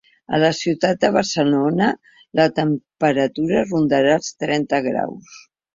A la ciutat de Barcelona, la temperatura rondarà els trenta graus.